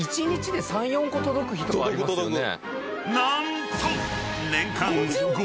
［何と］